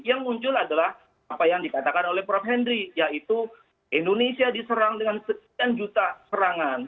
yang muncul adalah apa yang dikatakan oleh prof henry yaitu indonesia diserang dengan sekian juta serangan